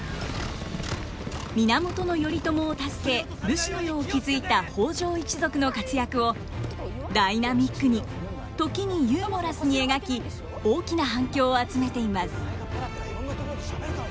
源頼朝を助け武士の世を築いた北条一族の活躍をダイナミックに時にユーモラスに描き大きな反響を集めています。